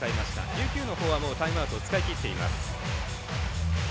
琉球のほうはもうタイムアウトを使い切っています。